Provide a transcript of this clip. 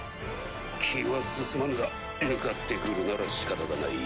気は進まぬが向かってくるなら仕方がない。